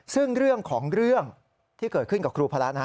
ซึ่งเรื่องของเรื่องที่เกิดขึ้นกับครูพระนะฮะ